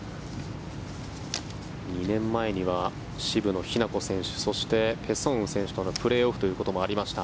２年前には渋野日向子選手そしてペ・ソンウ選手とのプレーオフということもありました。